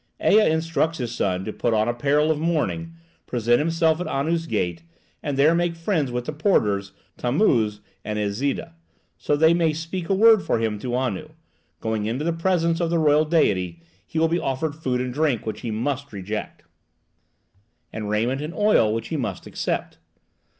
Ea instructs his son to put on apparel of mourning, present himself at Anu's gate, and there make friends with the porters, Tammuz and Iszida, so that they may speak a word for him to Anu; going into the presence of the royal deity, he will be offered food and drink which he must reject, and raiment and oil which he must accept.